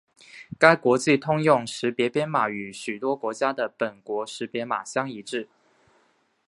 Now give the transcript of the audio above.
该国际通用识别编码与许多国家的本国识别码相一致。